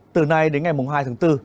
từ nay đến ngày mùng hai tháng bốn